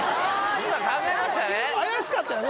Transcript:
今考えましたね